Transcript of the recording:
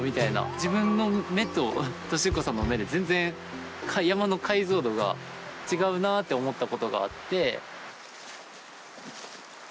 自分の目と利彦さんの目で全然山の解像度が違うなって思ったことがあって。